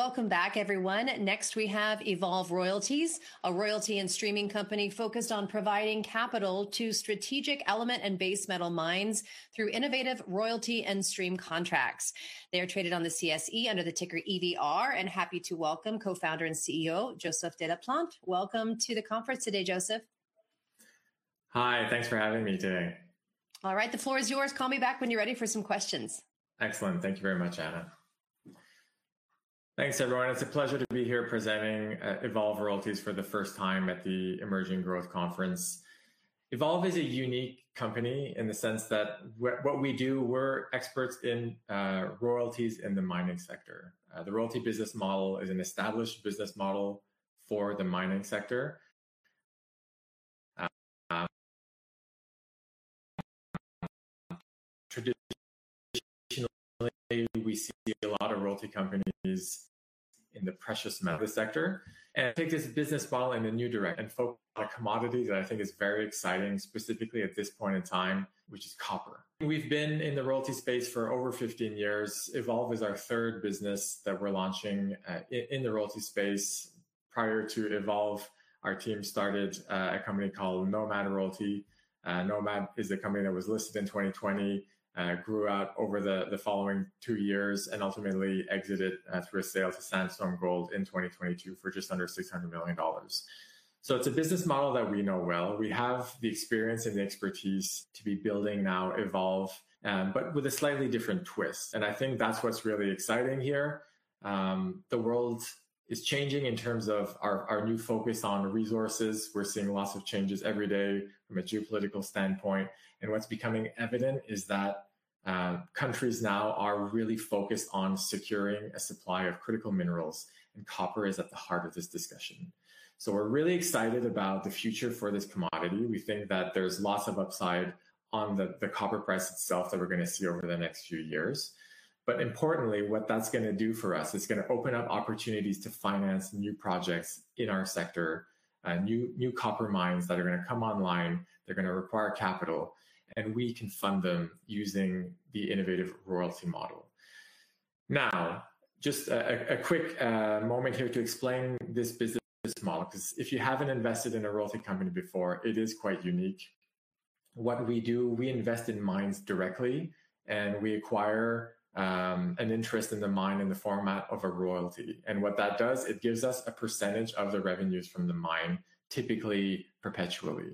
Welcome back, everyone. Next, we have Evolve Royalties, a royalty and streaming company focused on providing capital to strategic element and base metal mines through innovative royalty and stream contracts. They are traded on the CSE under the ticker EVR. Happy to welcome Co-founder and CEO, Joseph de la Plante. Welcome to the conference today, Joseph. Hi, thanks for having me today. All right, the floor is yours. Call me back when you're ready for some questions. Excellent. Thank you very much, Anna. Thanks, everyone. It's a pleasure to be here presenting Evolve Royalties for the first time at the Emerging Growth Conference. Evolve is a unique company in the sense that what we do, we're experts in royalties in the mining sector. The royalty business model is an established business model for the mining sector. Traditionally, we see a lot of royalty companies in the precious metal sector and take this business model in a new direction and focus on a commodity that I think is very exciting, specifically at this point in time, which is copper. We've been in the royalty space for over 15 years. Evolve is our third business that we're launching in the royalty space. Prior to Evolve, our team started a company called Nomad Royalty. Nomad is a company that was listed in 2020, grew out over the following two years and ultimately exited through a sale to Sandstorm Gold in 2022 for just under $600 million. It's a business model that we know well. We have the experience and the expertise to be building now Evolve, but with a slightly different twist, and I think that's what's really exciting here. The world is changing in terms of our new focus on resources. We're seeing lots of changes every day from a geopolitical standpoint, and what's becoming evident is that countries now are really focused on securing a supply of critical minerals, and copper is at the heart of this discussion. We're really excited about the future for this commodity. We think that there's lots of upside on the copper price itself that we're gonna see over the next few years. Importantly, what that's gonna do for us, it's gonna open up opportunities to finance new projects in our sector. New copper mines that are gonna come online, they're gonna require capital. We can fund them using the innovative royalty model. Now, just a quick moment here to explain this business model, 'cause if you haven't invested in a royalty company before, it is quite unique. What we do, we invest in mines directly. We acquire an interest in the mine in the format of a royalty. What that does, it gives us a percentage of the revenues from the mine, typically perpetually.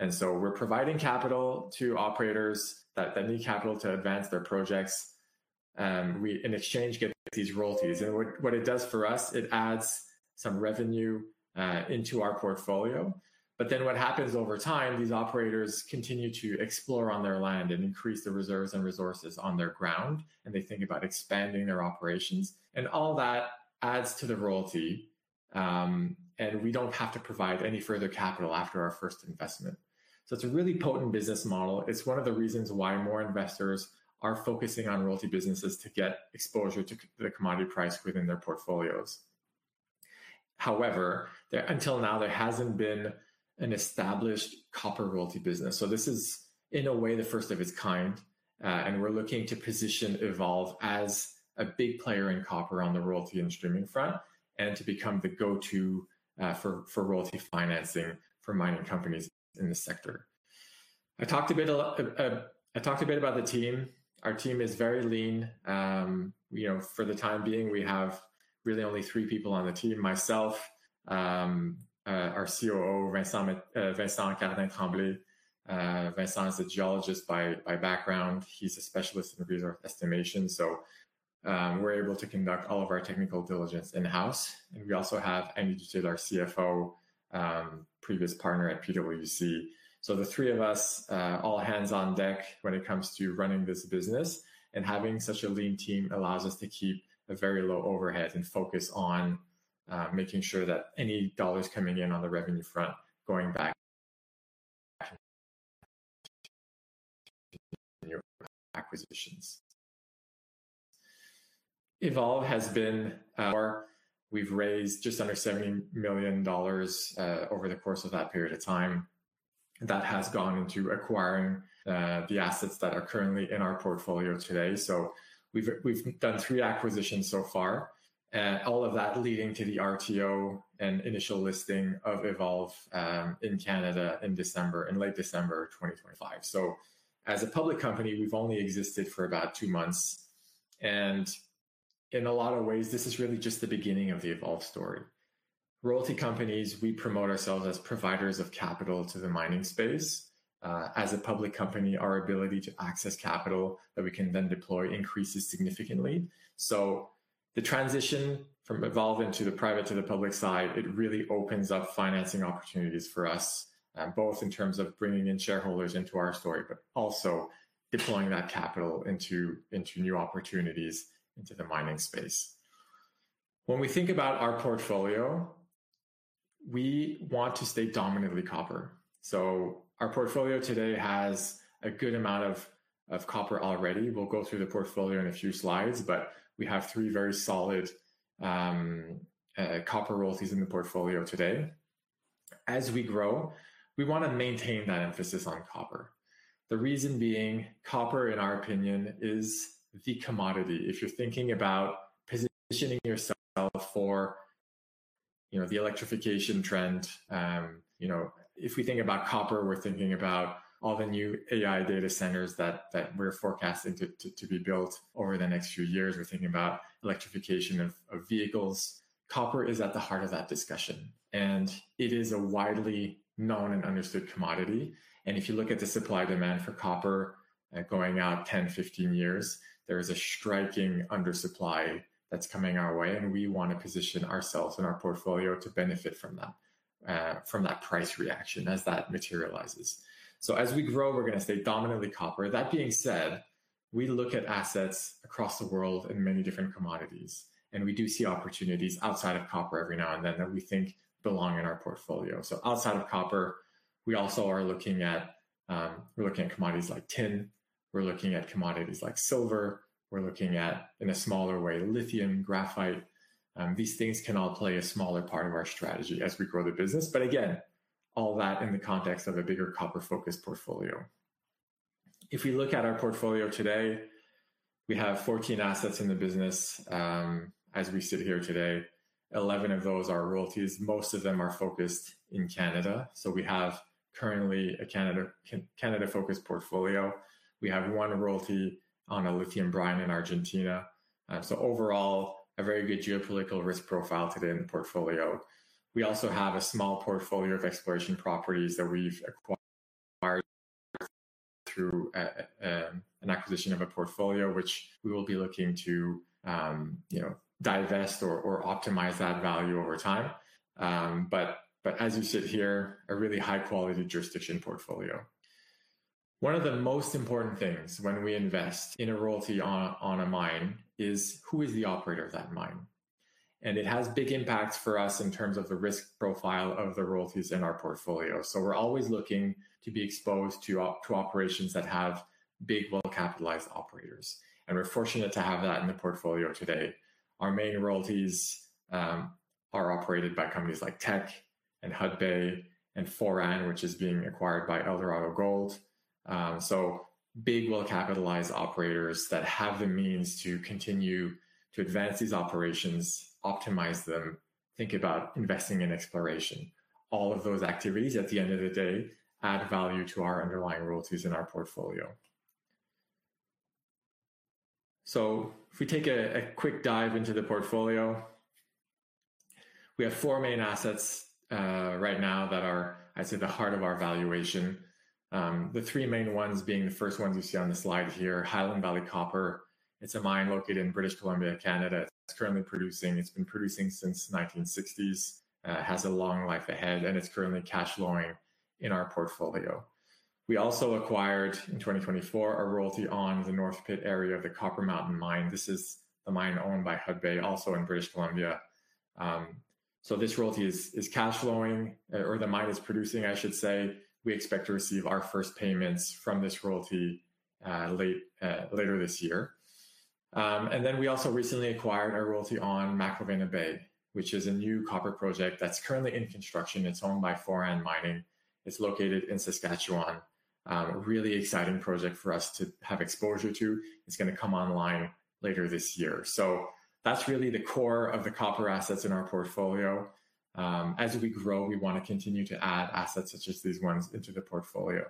We're providing capital to operators that need capital to advance their projects. We, in exchange, get these royalties. What it does for us, it adds some revenue into our portfolio. What happens over time, these operators continue to explore on their land and increase the reserves and resources on their ground, and they think about expanding their operations. All that adds to the royalty, and we don't have to provide any further capital after our first investment. It's a really potent business model. It's one of the reasons why more investors are focusing on royalty businesses to get exposure to the commodity price within their portfolios. However, until now, there hasn't been an established copper royalty business, so this is, in a way, the first of its kind. We're looking to position Evolve as a big player in copper on the royalty and streaming front, and to become the go-to for royalty financing for mining companies in this sector. I talked a bit about the team. Our team is very lean. You know, for the time being, we have really only three people on the team: myself, our COO, Vincent Cardin-Tremblay. Vincent is a geologist by background. He's a specialist in reserve estimation, so we're able to conduct all of our technical diligence in-house. We also have Annie Dutil, our CFO, previous partner at PwC. The three of us, all hands on deck when it comes to running this business. Having such a lean team allows us to keep a very low overhead and focus on making sure that any dollars coming in on the revenue front, going back new acquisitions. We've raised just under CAD 70 million over the course of that period of time. That has gone into acquiring the assets that are currently in our portfolio today. We've done three acquisitions so far, all of that leading to the RTO and initial listing of Evolve in Canada in December, in late December 2025. As a public company, we've only existed for about two months, and in a lot of ways, this is really just the beginning of the Evolve story. Royalty companies, we promote ourselves as providers of capital to the mining space. As a public company, our ability to access capital that we can then deploy increases significantly. The transition from Evolve into the private to the public side, it really opens up financing opportunities for us, both in terms of bringing in shareholders into our story, but also deploying that capital into new opportunities into the mining space. When we think about our portfolio, we want to stay dominantly copper. Our portfolio today has a good amount of copper already. We'll go through the portfolio in a few slides, but we have three very solid copper royalties in the portfolio today. As we grow, we want to maintain that emphasis on copper. The reason being, copper, in our opinion, is the commodity. If you're thinking about positioning yourself for, you know, the electrification trend, you know, if we think about copper, we're thinking about all the new AI data centers that we're forecasting to be built over the next few years. We're thinking about electrification of vehicles. Copper is at the heart of that discussion, and it is a widely known and understood commodity. If you look at the supply-demand for copper, going out 10, 15 years, there is a striking undersupply that's coming our way, and we want to position ourselves and our portfolio to benefit from that, from that price reaction as that materializes. As we grow, we're gonna stay dominantly copper. That being said, we look at assets across the world in many different commodities, and we do see opportunities outside of copper every now and then that we think belong in our portfolio. Outside of copper, we also are looking at, we're looking at commodities like tin, we're looking at commodities like silver, we're looking at, in a smaller way, lithium, graphite. These things can all play a smaller part of our strategy as we grow the business. Again, all that in the context of a bigger copper-focused portfolio. If we look at our portfolio today, we have 14 assets in the business. As we sit here today, 11 of those are royalties. Most of them are focused in Canada, so we have currently a Canada-focused portfolio. We have one royalty on a lithium brine in Argentina. Overall, a very good geopolitical risk profile today in the portfolio. We also have a small portfolio of exploration properties that we've acquired through an acquisition of a portfolio which we will be looking to, you know, divest or optimize that value over time. As we sit here, a really high-quality jurisdiction portfolio. One of the most important things when we invest in a royalty on a mine is: who is the operator of that mine? It has big impacts for us in terms of the risk profile of the royalties in our portfolio. We're always looking to be exposed to operations that have big, well-capitalized operators, and we're fortunate to have that in the portfolio today. Our main royalties are operated by companies like Teck and Hudbay and Foran, which is being acquired by Eldorado Gold. Big, well-capitalized operators that have the means to continue to advance these operations, optimize them, think about investing in exploration. All of those activities, at the end of the day, add value to our underlying royalties in our portfolio. If we take a quick dive into the portfolio, we have four main assets right now that are, I'd say, the heart of our valuation. The three main ones being the first ones you see on the slide here, Highland Valley Copper. It's a mine located in British Columbia, Canada. It's currently producing. It's been producing since the 1960s, has a long life ahead, and it's currently cash flowing in our portfolio. We also acquired, in 2024, a royalty on the North Pit area of the Copper Mountain Mine. This is the mine owned by Hudbay, also in British Columbia. This royalty is cash flowing, or the mine is producing, I should say. We expect to receive our first payments from this royalty late later this year. We also recently acquired a royalty on McIlvenna Bay, which is a new copper project that's currently in construction. It's owned by Foran Mining. It's located in Saskatchewan. A really exciting project for us to have exposure to. It's gonna come online later this year. That's really the core of the copper assets in our portfolio. As we grow, we want to continue to add assets such as these ones into the portfolio.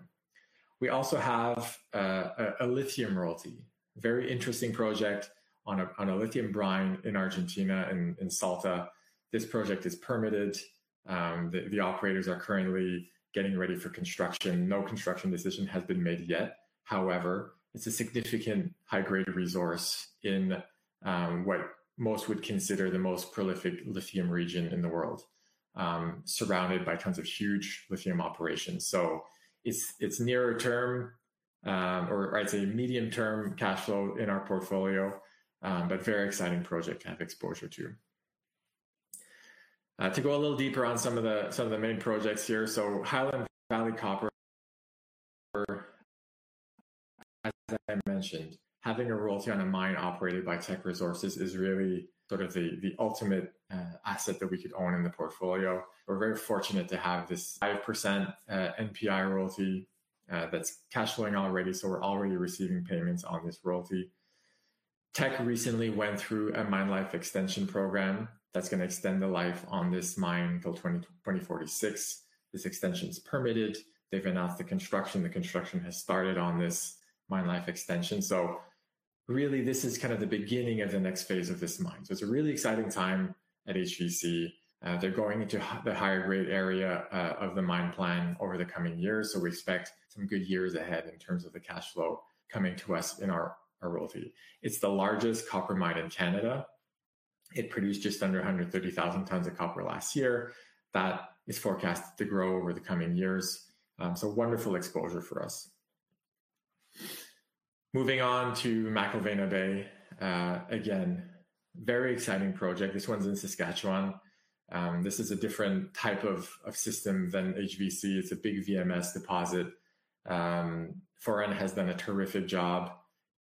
We also have a lithium royalty. Very interesting project on a lithium brine in Argentina, in Salta. The operators are currently getting ready for construction. No construction decision has been made yet. However, it's a significant high-grade resource in what most would consider the most prolific lithium region in the world, surrounded by tons of huge lithium operations. It's nearer term, or I'd say medium-term cash flow in our portfolio, very exciting project to have exposure to. To go a little deeper on some of the main projects here, Highland Valley Copper, as I mentioned, having a royalty on a mine operated by Teck Resources is really sort of the ultimate asset that we could own in the portfolio. We're very fortunate to have this 5% NPI royalty that's cash flowing already, so we're already receiving payments on this royalty. Teck recently went through a mine life extension program that's gonna extend the life on this mine till 2046. This extension is permitted. They've announced the construction. The construction has started on this mine life extension, so really, this is kind of the beginning of the next phase of this mine. It's a really exciting time at HVC. They're going into the higher grade area of the mine plan over the coming years, so we expect some good years ahead in terms of the cash flow coming to us in our royalty. It's the largest copper mine in Canada. It produced just under 130,000 tons of copper last year. That is forecast to grow over the coming years. Wonderful exposure for us. Moving on to McIlvenna Bay. Again, very exciting project. This one's in Saskatchewan. This is a different type of system than HVC. It's a big VMS deposit. Foran has done a terrific job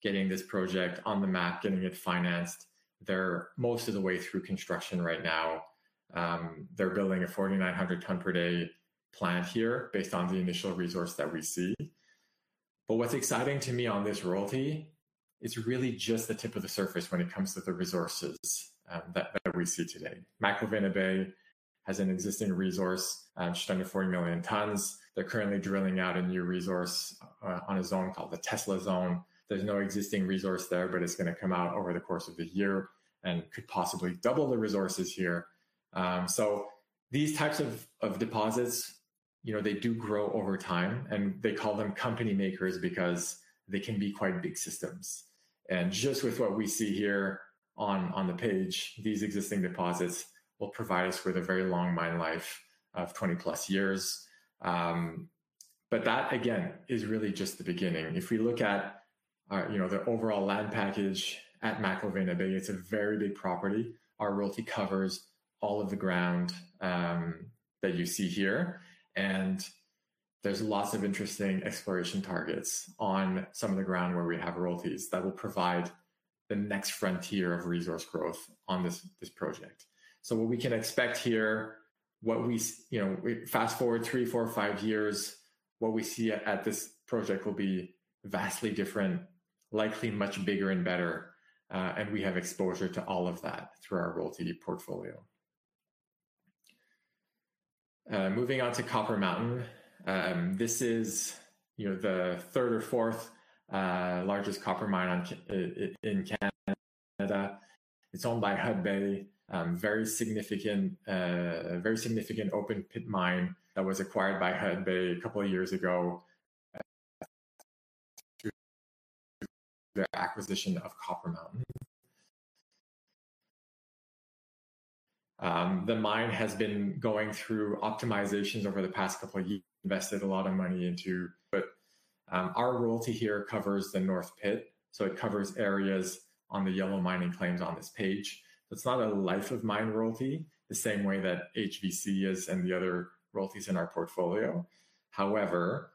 getting this project on the map, getting it financed. They're most of the way through construction right now. They're building a 4,900 ton per day plant here based on the initial resource that we see. What's exciting to me on this royalty, it's really just the tip of the surface when it comes to the resources that we see today. McIlvenna Bay has an existing resource, just under 40 million tons. They're currently drilling out a new resource on a zone called the Tesla Zone. There's no existing resource there, but it's gonna come out over the course of the year and could possibly double the resources here. These types of deposits, you know, they do grow over time, and they call them company makers because they can be quite big systems. Just with what we see here on the page, these existing deposits will provide us with a very long mine life of 20-plus years. That, again, is really just the beginning. If we look at, you know, the overall land package at McIlvenna Bay, it's a very big property. Our royalty covers all of the ground that you see here, there's lots of interesting exploration targets on some of the ground where we have royalties that will provide the next frontier of resource growth on this project. What we can expect here, what we you know, we fast-forward three, four, five years, what we see at this project will be vastly different, likely much bigger and better, and we have exposure to all of that through our royalty portfolio. Moving on to Copper Mountain. This is, you know, the third or fourth largest copper mine in Canada. It's owned by Hudbay, very significant, very significant open-pit mine that was acquired by Hudbay a couple of years ago through the acquisition of Copper Mountain. The mine has been going through optimizations over the past couple of years, invested a lot of money into... Our royalty here covers the North Pit, so it covers areas on the yellow mining claims on this page. It's not a life of mine royalty, the same way that HVC is and the other royalties in our portfolio. However,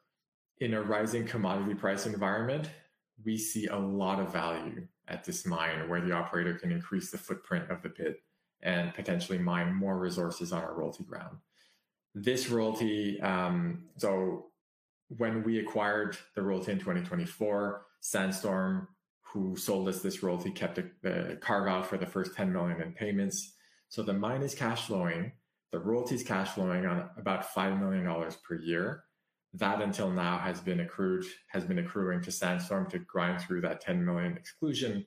in a rising commodity price environment, we see a lot of value at this mine, where the operator can increase the footprint of the pit and potentially mine more resources on our royalty ground. This royalty, when we acquired the royalty in 2024, Sandstorm, who sold us this royalty, kept a carve-out for the first $10 million in payments. The mine is cash flowing, the royalty is cash flowing on about $5 million per year. That, until now, has been accruing to Sandstorm to grind through that $10 million exclusion.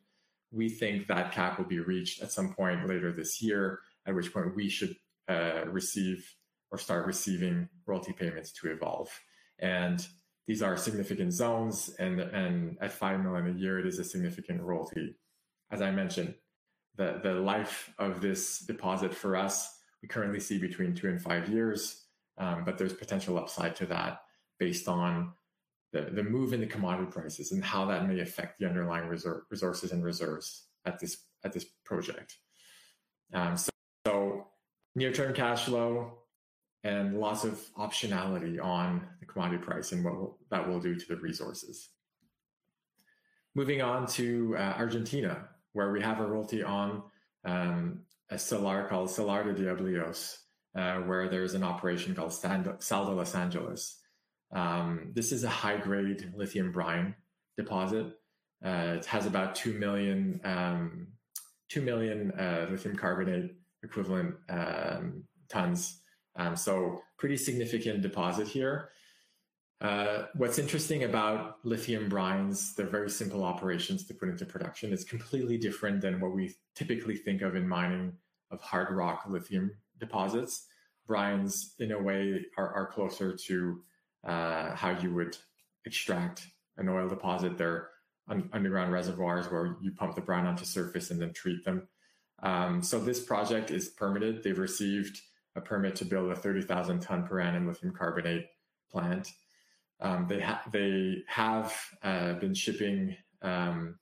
We think that cap will be reached at some point later this year, at which point we should receive or start receiving royalty payments to Evolve. These are significant zones, and at $5 million a year, it is a significant royalty. As I mentioned, the life of this deposit for us, we currently see between two and five years, but there's potential upside to that based on the move in the commodity prices and how that may affect the underlying resources and reserves at this project. Near-term cash flow and lots of optionality on the commodity pricing, what that will do to the resources. Moving on to Argentina, where we have a royalty on a salar called Salar de Diablillos, where there's an operation called Sal de Los Angeles. This is a high-grade lithium brine deposit. It has about two million lithium carbonate equivalent tons, pretty significant deposit here. What's interesting about lithium brines, they're very simple operations to put into production. It's completely different than what we typically think of in mining of hard rock lithium deposits. Brines, in a way, are closer to how you would extract an oil deposit. They're underground reservoirs where you pump the brine onto surface and then treat them. This project is permitted. They've received a permit to build a 30,000 ton per annum lithium carbonate plant. They have been shipping the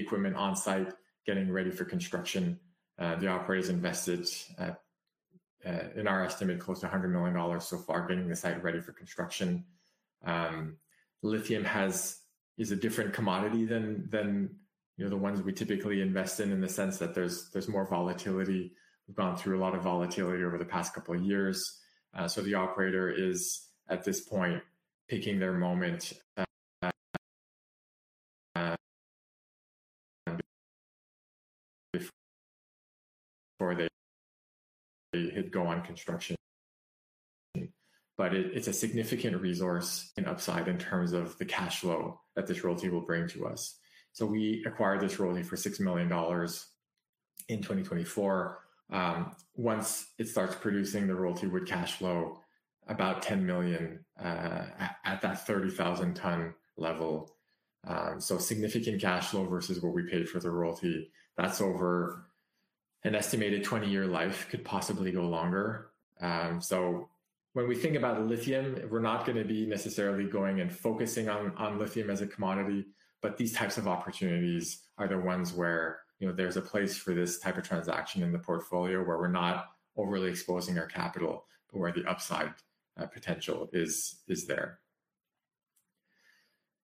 equipment on site, getting ready for construction. The operator's invested, at in our estimate, close to $100 million so far, getting the site ready for construction. Lithium is a different commodity than, you know, the ones we typically invest in the sense that there's more volatility. We've gone through a lot of volatility over the past couple of years. The operator is, at this point, picking their moment before they go on construction. It's a significant resource and upside in terms of the cash flow that this royalty will bring to us. We acquired this royalty for $6 million in 2024. Once it starts producing, the royalty would cash flow about $10 million at that 30,000 ton level. Significant cash flow versus what we paid for the royalty. That's over an estimated 20-year life, could possibly go longer. When we think about lithium, we're not gonna be necessarily going and focusing on lithium as a commodity, but these types of opportunities are the ones where, you know, there's a place for this type of transaction in the portfolio, where we're not overly exposing our capital, but where the upside potential is there.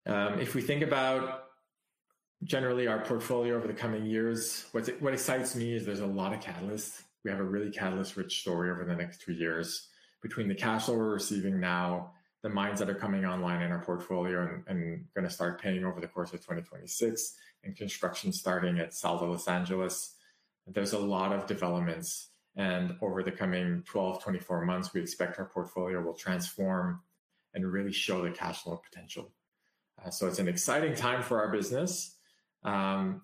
If we think about generally our portfolio over the coming years, what excites me is there's a lot of catalysts. We have a really catalyst-rich story over the next three years. Between the cash flow we're receiving now, the mines that are coming online in our portfolio and gonna start paying over the course of 2026, and construction starting at Sal de Los Angeles, there's a lot of developments. Over the coming 12-24 months, we expect our portfolio will transform and really show the cash flow potential. It's an exciting time for our business. When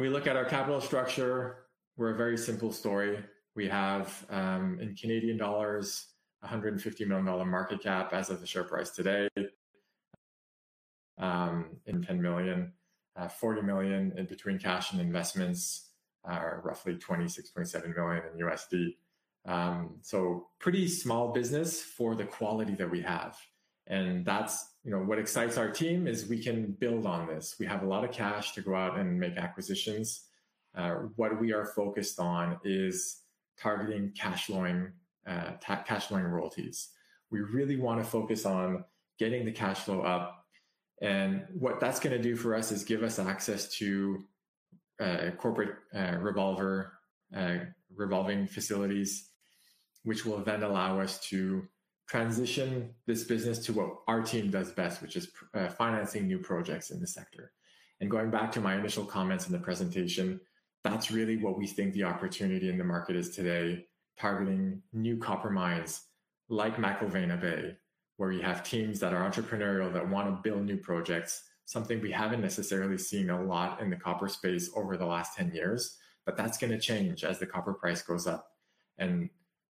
we look at our capital structure, we're a very simple story. We have, in Canadian dollars, a 150 million dollar market cap as of the share price today. 40 million in between cash and investments are roughly $26.7 million. Pretty small business for the quality that we have, and that's, you know, what excites our team, is we can build on this. We have a lot of cash to go out and make acquisitions. What we are focused on is targeting cash flowing royalties. We really want to focus on getting the cash flow up, and what that's gonna do for us is give us access to, corporate, revolver, revolving facilities, which will then allow us to transition this business to what our team does best, which is financing new projects in the sector. Going back to my initial comments in the presentation, that's really what we think the opportunity in the market is today: targeting new copper mines like McIlvenna Bay, where you have teams that are entrepreneurial, that want to build new projects, something we haven't necessarily seen a lot in the copper space over the last 10 years, but that's gonna change as the copper price goes up.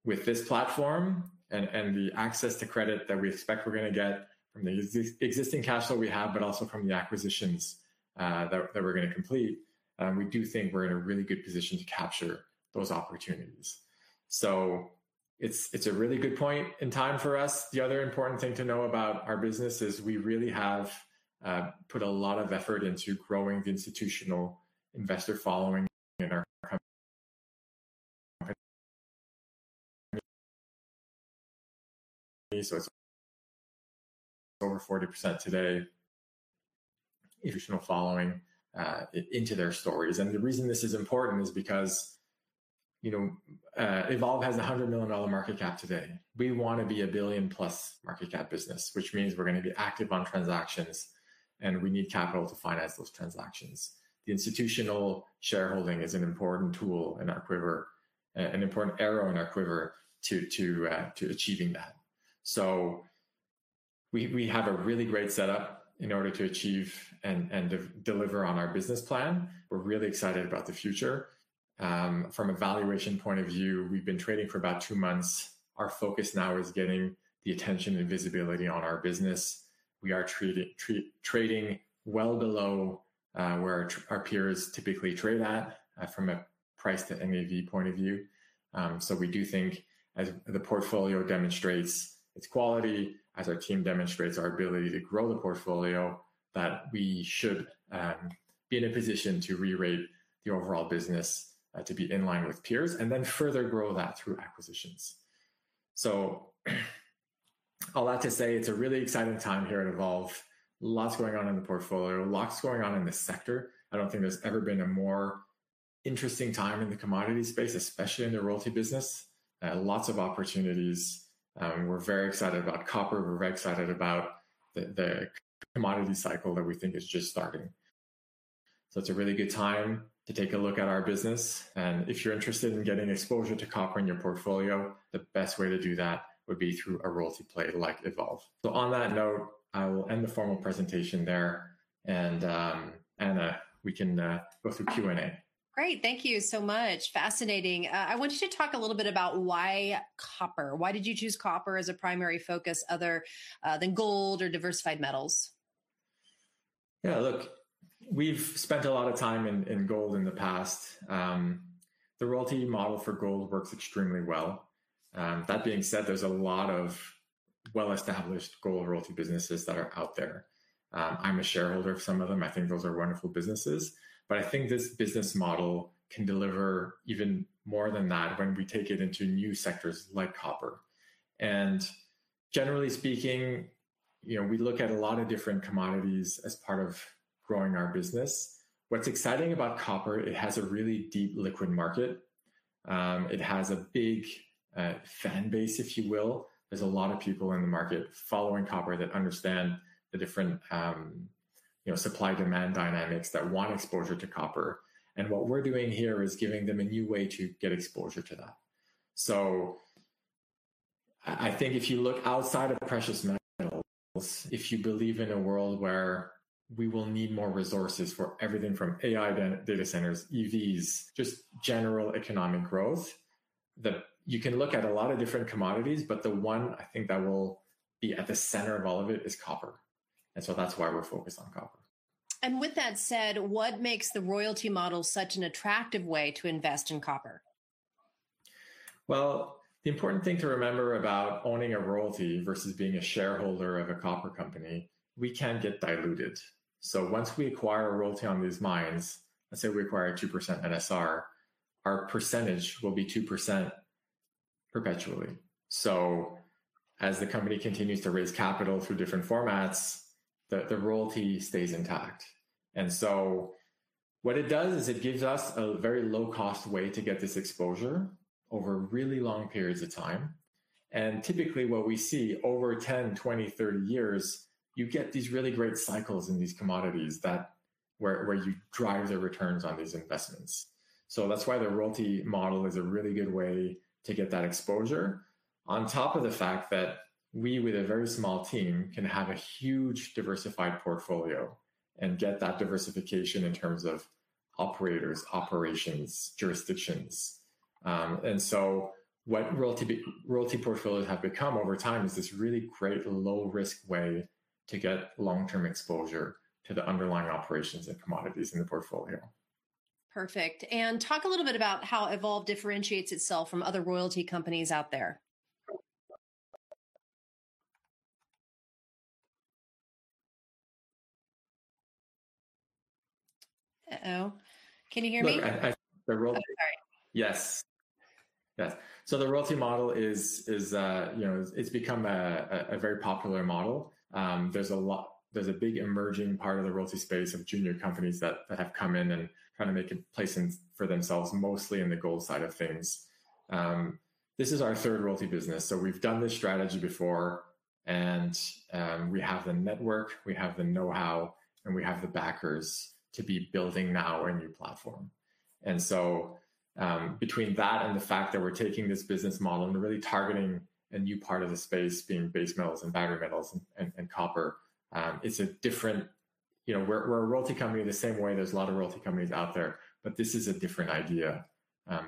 With this platform and the access to credit that we expect we're gonna get from the existing cash flow we have, but also from the acquisitions that we're gonna complete, we do think we're in a really good position to capture those opportunities. It's a really good point in time for us. The other important thing to know about our business is we really have put a lot of effort into growing the institutional investor following in our company. It's over 40% today, institutional following into their stories. The reason this is important is because, you know, Evolve has a 100 million dollar market cap today. We want to be a 1 billion+ market cap business, which means we're gonna be active on transactions, and we need capital to finance those transactions. The institutional shareholding is an important tool in our quiver, an important arrow in our quiver to achieving that. We have a really great setup in order to achieve and deliver on our business plan. We're really excited about the future. From a valuation point of view, we've been trading for about two months. Our focus now is getting the attention and visibility on our business. We are trading well below where our peers typically trade at from a price to NAV point of view. We do think as the portfolio demonstrates its quality, as our team demonstrates our ability to grow the portfolio, that we should be in a position to rerate the overall business to be in line with peers and then further grow that through acquisitions. All that to say, it's a really exciting time here at Evolve. Lots going on in the portfolio, lots going on in the sector. I don't think there's ever been a more interesting time in the commodity space, especially in the royalty business. Lots of opportunities. We're very excited about copper. We're very excited about the commodity cycle that we think is just starting. It's a really good time to take a look at our business, and if you're interested in getting exposure to copper in your portfolio, the best way to do that would be through a royalty play like Evolve. On that note, I will end the formal presentation there, and Anna, we can go through Q&A. Great. Thank you so much. Fascinating. I want you to talk a little bit about why copper? Why did you choose copper as a primary focus other than gold or diversified metals? Yeah, look, we've spent a lot of time in gold in the past. The royalty model for gold works extremely well. That being said, there's a lot of well-established gold royalty businesses that are out there. I'm a shareholder of some of them. I think those are wonderful businesses, but I think this business model can deliver even more than that when we take it into new sectors like copper. Generally speaking, you know, we look at a lot of different commodities as part of growing our business. What's exciting about copper, it has a really deep liquid market. It has a big, fan base, if you will. There's a lot of people in the market following copper that understand the different, you know, supply-demand dynamics that want exposure to copper. What we're doing here is giving them a new way to get exposure to that. I think if you look outside of precious metals, if you believe in a world where we will need more resources for everything from AI data centers, EVs, just general economic growth, then you can look at a lot of different commodities, but the one I think that will be at the center of all of it is copper. That's why we're focused on copper. With that said, what makes the royalty model such an attractive way to invest in copper? Well, the important thing to remember about owning a royalty versus being a shareholder of a copper company, we can get diluted. Once we acquire a royalty on these mines, let's say we acquire a 2% NSR, our percentage will be 2%. Perpetually. What it does is it gives us a very low-cost way to get this exposure over really long periods of time. What we see over 10, 20, 30 years, you get these really great cycles in these commodities that where you drive the returns on these investments. That's why the royalty model is a really good way to get that exposure, on top of the fact that we, with a very small team, can have a huge diversified portfolio and get that diversification in terms of operators, operations, jurisdictions. What royalty portfolios have become over time is this really great low-risk way to get long-term exposure to the underlying operations and commodities in the portfolio. Perfect. Talk a little bit about how Evolve differentiates itself from other royalty companies out there. Uh-oh, can you hear me? Look, The royalty- Okay, sorry. Yes. Yes. The royalty model is, you know, it's become a very popular model. There's a big emerging part of the royalty space of junior companies that have come in and trying to make a place for themselves, mostly in the gold side of things. This is our third royalty business, so we've done this strategy before, and we have the network, we have the know-how, and we have the backers to be building now our new platform. Between that and the fact that we're taking this business model and really targeting a new part of the space, being base metals and battery metals and copper, it's a different... You know, we're a royalty company in the same way there's a lot of royalty companies out there. This is a different idea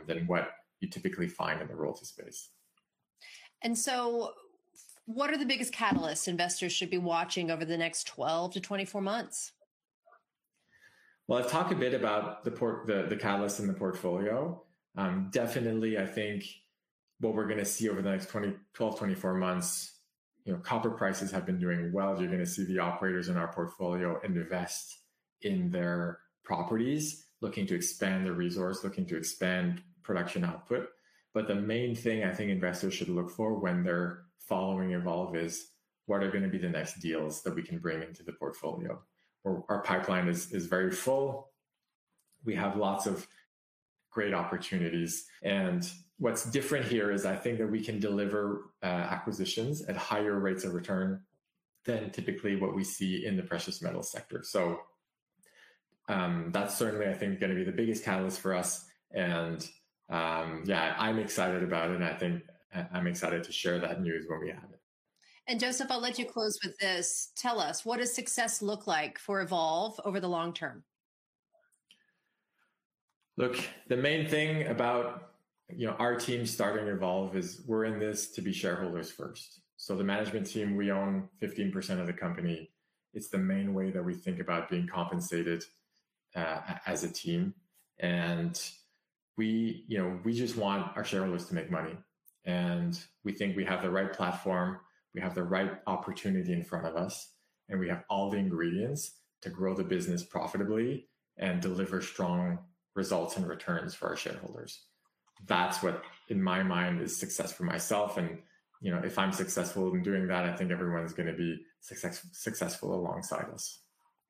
than what you typically find in the royalty space. What are the biggest catalysts investors should be watching over the next 12-24 months? Well, I've talked a bit about the catalysts in the portfolio. Definitely I think what we're gonna see over the next 12-24 months, you know, copper prices have been doing well. You're gonna see the operators in our portfolio invest in their properties, looking to expand their resource, looking to expand production output. The main thing I think investors should look for when they're following Evolve is what are gonna be the next deals that we can bring into the portfolio? Our pipeline is very full. We have lots of great opportunities, what's different here is I think that we can deliver acquisitions at higher rates of return than typically what we see in the precious metal sector. That's certainly, I think, gonna be the biggest catalyst for us, and, yeah, I'm excited about it, and I think I'm excited to share that news when we have it. Joseph, I'll let you close with this: Tell us, what does success look like for Evolve over the long term? Look, the main thing about, you know, our team starting Evolve is we're in this to be shareholders first. The management team, we own 15% of the company. It's the main way that we think about being compensated as a team, and we, you know, we just want our shareholders to make money. We think we have the right platform, we have the right opportunity in front of us, and we have all the ingredients to grow the business profitably and deliver strong results and returns for our shareholders. That's what, in my mind, is success for myself, and, you know, if I'm successful in doing that, I think everyone's gonna be successful alongside us.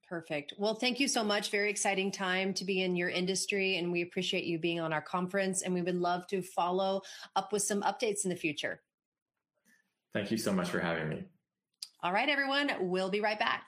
Perfect. Thank you so much. Very exciting time to be in your industry, and we appreciate you being on our conference, and we would love to follow up with some updates in the future. Thank you so much for having me. All right, everyone, we'll be right back.